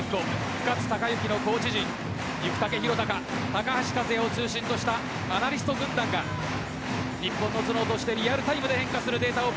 深津貴之のコーチ陣行武広貴、高橋和也を中心としたアナリスト軍団が日本の頭脳としてリアルタイムで変化するデータを